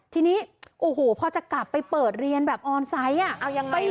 ทีนี้โอ้โหพอจะกลับไปเปิดเรียนแบบออนไซต์อ่ะเอายังไงล่ะ